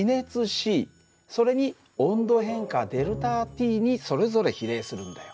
ｃそれに温度変化ΔＴにそれぞれ比例するんだよ。